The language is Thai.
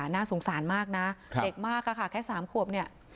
น่าสงสารมากนะเด็กมากค่ะแค่๓ขวบเนี่ย